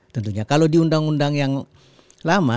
tentunya kalau di undang undang yang lama